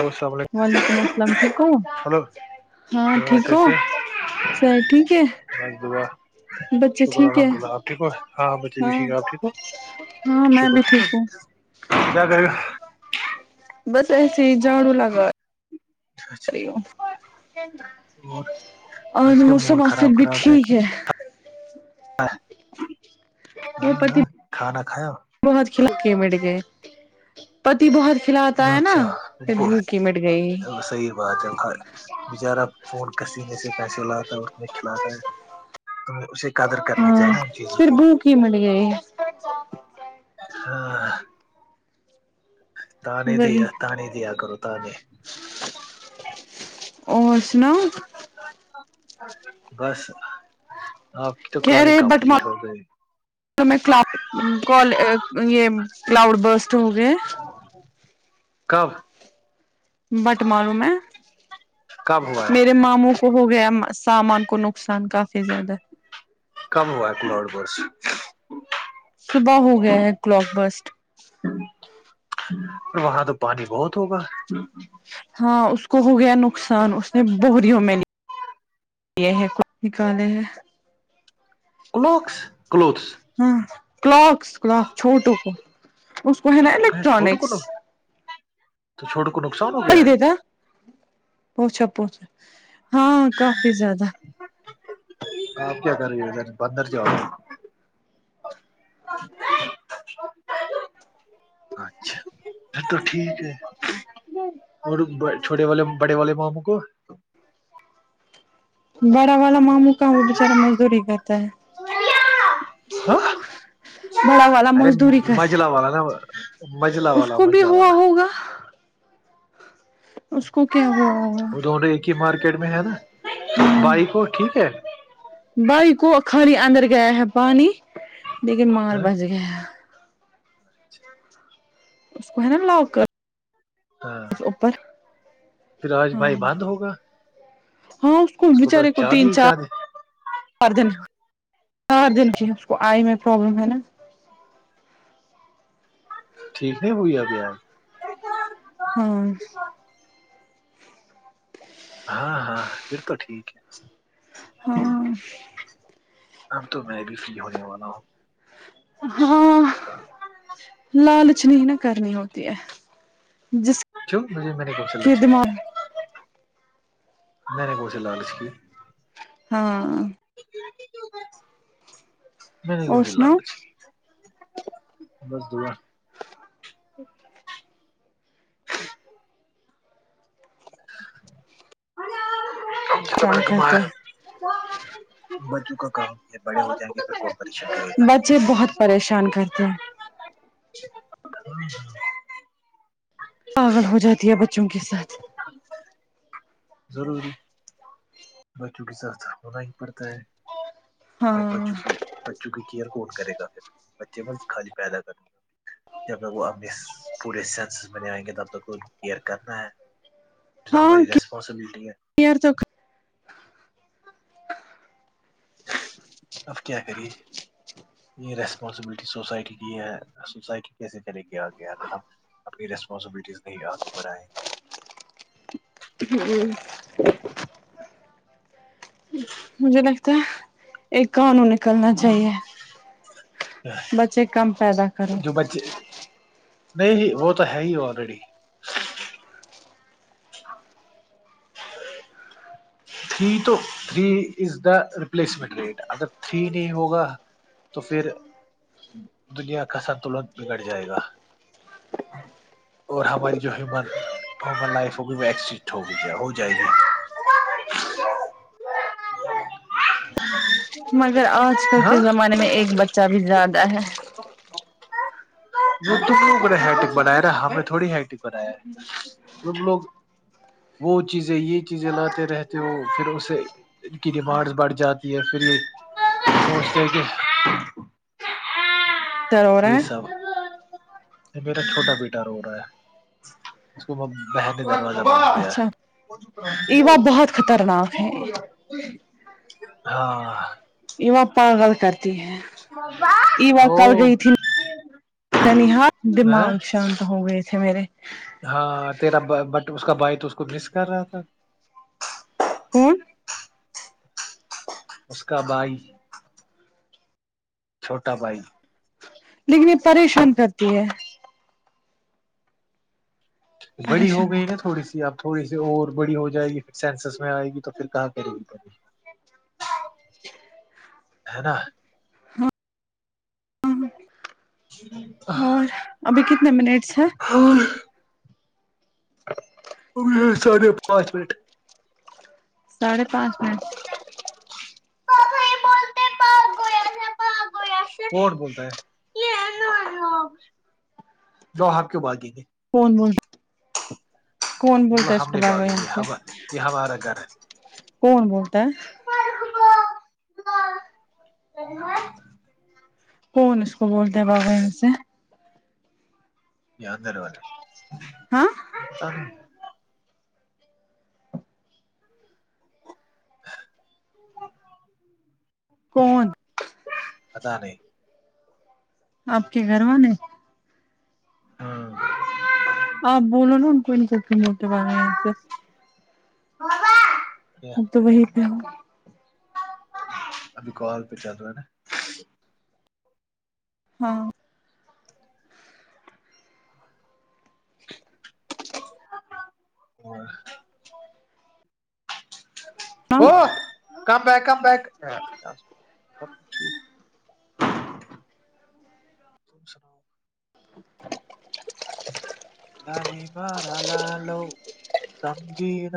hello السلام علیکم وعلیکم السلام ٹھیک ہو ہلو ہاں ٹھیک اچھے ہو سے سر ٹھیک ہے بس دعا بچے شکر ٹھیک ہے الحمد اللہ آ ٹھیکو ہاں ہاں بچےبی ٹھیک ہے آپ ٹھیکو ہاں میں شکر بھی ٹھیک ہوں کیا کر بس ایسے ہی جھاڑو لگا اچھا اور آج کا اورسم موڈ آخر خراب بھی ٹھیک ہے وہ ہاں پتی ہاں کھانا کاو بہت کھلکے مٹ گئے پتی بہت کھلاتا ہے نا اچھا پھر بھوکی مٹ گئی بچارہ فون کسینے سے پیسے لاتا ہے اس میں کھلاتا ہے تو ہاں پھر بو کی ملی ہے یہ ہاں ت نہیں وہی دیا تانی دیا کرو ت نہیں اور سناؤ بس آپ کی تو کال کمپلیٹ ہو گئی تو میں کلاال یہ کلاؤڈ برسٹ ہو گئے کب بٹ ماروں میں کب ہوا ہے میرے ماموں ہو گیا سامان کو نقصان کافی زیادہ کم ہوا اپر بس صبح ہو گیا ہیں کلاک بسٹ وہاں تو پانی بہت ہوگا ہاں اس کو ہو گیا نقصان اس نے بریوں میں لیا یہ ہے کچھ نکالے ہیں کلوکس کلوتس ہاں کلاکس کلاک چھوٹوں کو اس کو ہے نا چھوٹو کو الیکٹرانکس تو چھوٹوں کو نقصان ہو گیا ہے پوھا پوھا ہاں کافی زیادہ آپ کیا کر رہیں گے ادھر بندر جاؤ ک اچھا پھر تو ٹھیک ہے ہی [unintelligible] اور چھوٹے والے بڑے والے ماموں کو بڑا والا ماموں کااں وہ بچارا مزدوری کرتا ہے ہاں بڑا والا ارے مزدوری کیسے مجلا والا نا مجلا اس والا کو بھی مجلا ہوا والا ہوگا اس کو کیا ہوا ہوگا کی مارکیٹ میں ہے نا ہاں بائ کو ٹھیک ہے بھائی کو خالی اندر گیا ہے پانی لیکن ہ مال بچ گیا ہے اس کو ہے نا لوک ہاں اپر پھر آج ہاں بھائی بند ہوگا ہاں اس کو تو بچارے کو تین چاندی چار چاندی چار دن چار دن کی اس کو آئی میں پرابلم ہے نا ٹھیک نہیں ہوئی ابج ہاں ہاں ہاں پھر تو ٹھیک ہے ہاں اب تو میں بھی فری ہونے والا ہوں ہاں لالچنی ہی نا کرنی ہوتی ہے جس کیوں مجھے میں نے کون سے کے لچ دماغ میں نے کون سے لالچ کی ہاں میں نہیں گ اور ج لڈ سناؤ بس دیا [inaudible] جیس میں پریشان نے کرتے گھمایا ہیں ب چ کا کام یہ بڑے ہو جائیں گے پھر کون پریشن کرے گا بچے بہت پریشان کرتے ہیں ہ [unintelligible] پاگول ہو جاتی ہے بچوں کے ساتھ [inaudible] ضروری بچوں کے ساتھ ہونا ہی پڑتا ہے ا ہاں بچوں کو بچوں کی کیئر کون کرے گا پھر بچے بس خالی پیدا کرنےے جب تک وہ اپنے پورے سینسز بنے آئیں گے تب تک ان کو کیئر کرنا ہے جو ہماری ریسپانسبلٹی ہے پار تو اب کیا کریے یہ ریسپانسبلٹی سوسائٹی کی ہے سوسائٹی کیسے چلے گی آگے اگر ہم اپنی ریسپانسبلٹیز نہیں آگےڑھائیں ہ مھے نائ ایک کانون اچ بچے کم فائد جو بچے نہیں جی وہ تو ہے ہی آلریڈی تھری تو three is the replacement rate اگر تھری نہیں ہوگا تو پھر دنیا کا سنتلن بگڑ جائے گا اور ہماری جو ہیومن ہیومن لائف ہوگی وہ ایکسٹ ہوگی ہو جائے گی ہ ہ مگر آج کل کے زمانے میں ایک بچہ بھی زیادہ ہے وہ تم لوگوں نےٹک بنایا رہا ہم نے تھوڑی ہیٹک بنایا ہے ت لوگ [inaudible] وہ چیزیں یہ چیزیں لاتے رہتے ہو پھر اسے ان کی ڈیمانڈس بڑھ جاتی ہے پھر یہ سہچتے ہیں کہ [inaudible] ت اور یہ رہا [inaudible] سب میرا چھوٹا بیٹا رو رہا ہے اس کو اچھا ایوا بہت خطرناک ہے [inaudible] ہاں [inaudible] ایواں پاگل کرتی ہے ای واں کل ہو گئی تھی ننیہار دماغ ہاں شانت ہو گئے تھے میرے ہاں تیرا بٹ اس کا بائی تو اس کو مس کر رہا تھا [unintelligible] ہوں اس کا بھائی چھوٹا بھائی لیکن یہ پریشان کرتی ہے بڑی ہو پریشان گئی نا تھوڑی سی اب تھوڑی س اور بڑی ہو جائے گی پھر سینسس میں آئے گی تو پھر کہاں کرے گ کرے [inaudible] ہے نا جی [inaudible] اور ابھی کتنے منٹس ہیں ہن [inaudible] [inaudible] ساڑھے پانچ منٹ [inaudible] ساھے پانچ منٹ بولتا ہے یہ [inaudible] جو آپ کی بال دییں گے [inaudible] فن وون [inaudible] کون بولو بولتا ہے اس ہم کو نہیں بگ بھاگیں یہاں گے سے ہم یہ ہمارا گھر ہے کون بولتا ہے [inaudible] کون اس کو بولتے ہے بابو سے یادر والے [inaudible] ہاں س [inaudible] [inaudible] فون پتاہ نہیں [inaudible] آپ کے گھر وال نے آپ ب ن ان کون ککن متے بغیس [inaudible] بزا [inaudible] ا تو وہی پہ [inaudible] ابھی کال پہ چل رہا نا ہاں [inaudible] ہاں [inaudible] وہ کم بیک کم بیک [inaudible] ہاں [inaudible] سناؤ سب کچ [inaudible] ت سناؤ [inaudible] [inaudible] لال بارہ لالو [unintelligible] سمجیین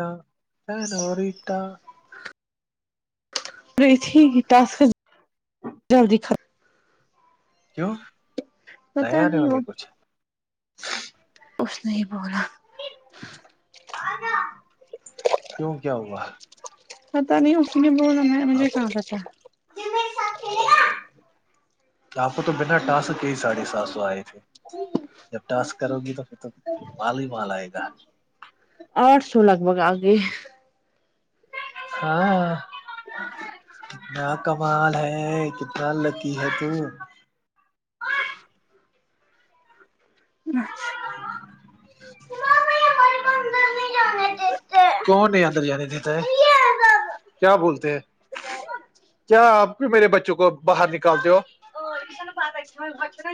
ورٹا [unintelligible] پریت ٹاسک جلدی ختم [unintelligible] کیوں ختم پتا نیا ن نہیں لگے وہ پچھ اس نے ہی بولا کیوں کیا ہوا آتا نہیں ا ہی بنانا مے آپ کاق تھا [unintelligible] کیا آپ کو تو بنا ٹاسک کے ہی ساڑھے سات سو آئے تھے جب ٹاسک کرو گی تو پھر تو مال ہی مال آئے گا آٹھ سو لگ بگ آگے ہاں کتنا کمال ہے کتنا کل لکی ہے تم اچھا کیا [unintelligible] نہیں اندر جانے دیتا ہے کیا بولتے ہیں کیا آپ کیومیرے بچوں کو باہر نکالتے ہو ا یہ چ نا پتہ کھیت چ نا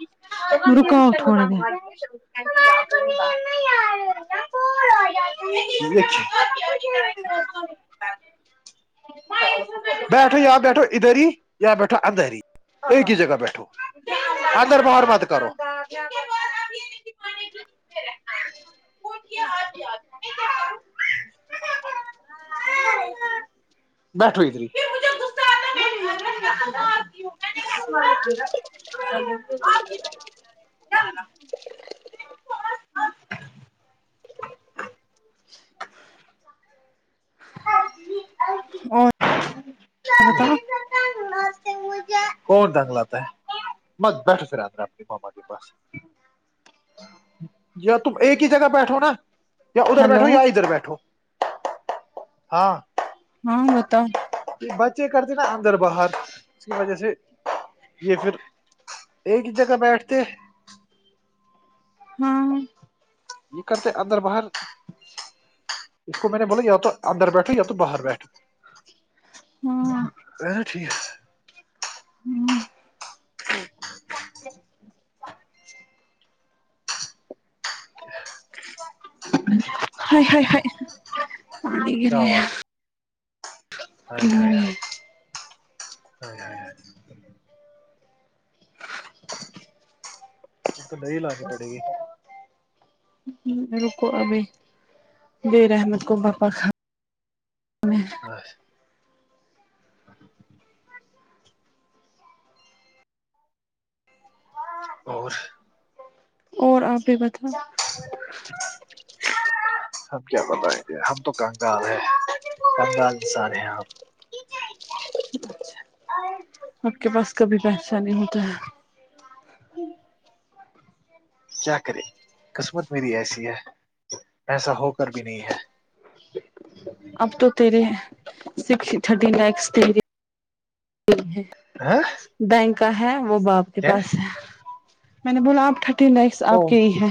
ن [unintelligible] م د ش رکاؤ مزا تھوڑی م دیر [unintelligible] [unintelligible] بیٹھو یا بیٹھو ادر ہی بیٹھو اند ہی ایک ہی جگہ بیٹھو اگرر باہر بات کرو [unintelligible] [inaudible] بیٹو ادری [unintelligible] ج [unintelligible] اور ہی [unintelligible] [unintelligible] کون دنگ لاتا ہے بس بیٹھو پھر ہمرا اپنے ماما کے پاس یا تم ایک ہی جگہ بیٹھو نا یا ادھر ہلو بیٹھو یا ادھر بیٹھو ہاں ہاں بتاؤ بچے کرتے نا اندر باہر اس کی وجہ سے یہ پھر ایک جگہ بیٹھتے ہاں یہ کرتے اندر بہار اس کو میں نے بولا یا تو اندر بیٹھا یا تو باہر بیٹھا ہاں ایسا ٹھیک ہاں اچ [inaudible] [inaudible] ہ ہ ا کے کیا ہوا [unintelligible] [inaudible] ا تو نہیں لا کے پڑے گی رکو ابھی بیر احمد کو بپا کان ہچ [unintelligible] اور اور آپ بھی بتاے [inaudible] ہم کیا بتا گے کہ ہم تو کنگال ہے کنگال نسان ہے آپ آپ کے پاس کبھی پیسہ نہیں ہوتا ہے ہوں [unintelligible] کیا کرے قسمت میری ایسی ہے ایسا ہو کر بھی نہیں ہے اب تو تریے سکس تھرٹی لیکس تری [unintelligible] ہاں بینکا ہے وہ باپ کے پاس ہے میں نے بولا آپٹھ نس آپ کے ہی ہے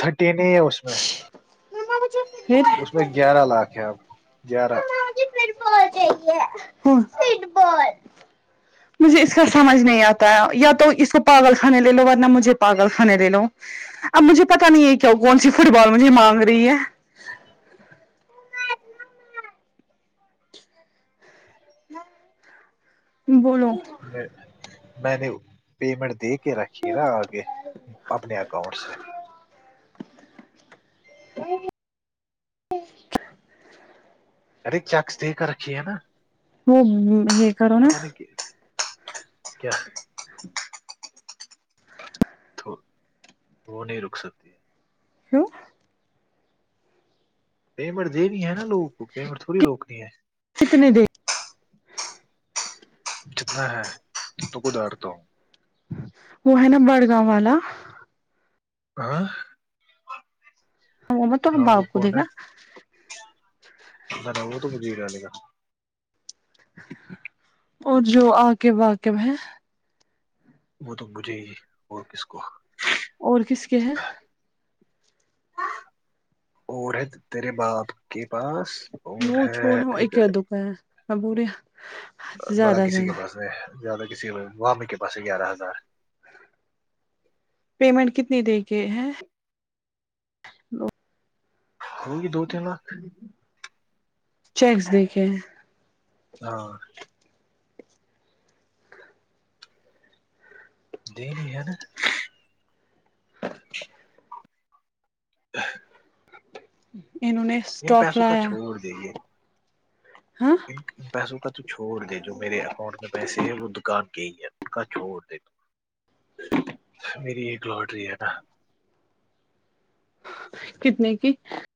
تھرٹین ہی ہے اس میں [unintelligible] اس میں گیارہ لاکھ ہے اب گیارہ فٹ بال چاہیے فٹ بال مجھے اس کا سمج نہیں آتا یا تو اس کو پاگل خھانے لے لو ورنہ مجھے پاگل خھانے لے لو اب مجھے پتا نہیں ہے کیا کون سی فٹ بال مجھے مانگ رہی ہے بولو میں میں نے پیمنٹ دیک کے رکھیے نا آگے اپنے اکاؤنٹ سے [inaudible] [inaudible] ارے چیکس دیک کر رکھی ہے نا وہ یہ کرو نا پتا نہیں کیا تو وہ نہیں رک سکتی ہے کیوں پیمنٹ دینی ہے نا لوگوں کو پیمنٹ تھوڑی روکنی ہے کتنے د جتنا ہے تو کودر تو وہ ہے نا بڑگاؤں والا ہاں تو ہم ہاں وہ باپ کو کون دیکھا نہیں نا وہ تو مجھ جے گا اور جو آ کے واقب ہے وہ تو مجھے ہی اور کس کو اور کس کے ہیں اور ہے تیرے باپ کے پاس اور وہ ہے چھوڑنا ایک [inaudible] میں بول رہی ہوں بڑا کسی کے پاس ہے زیادہ کسی وی کے پاس ہے گیارہ ہزار پیمنٹ کتنی دے کے ہیں ہوگی دو تین لاک چیکس دیکے ہے ہاں دنی ہے نا [inaudible] ان نوں نے ان اسٹاک پیسوں کا لایا چھوڑ دے ہاں ان پیسوں کا تو چھوڑ دے جو میرے اکاؤنٹ میں پیسے ہے وہ دکان کے ہی ہے ان کا چھوڑ دے دو میری ایک لاٹری ہے نا کتنے کی